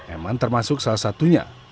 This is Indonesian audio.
eman termasuk salah satunya